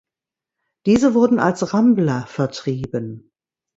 Diese wurden als Rambler vertrieben.